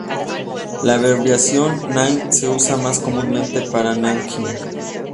La abreviación Ning se usa más comúnmente para Nanjing.